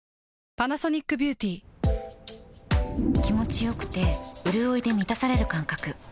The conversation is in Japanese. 気持ちよくてうるおいで満たされる感覚